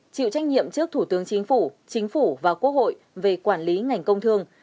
chịu trách nhiệm trước thủ tướng chính phủ chính phủ và quốc hội về quản lý ngành công thương